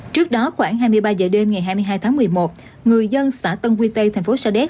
trước đó khoảng hai mươi ba h đêm ngày hai mươi hai một mươi một người dân xã tân quy tây tp sa đéc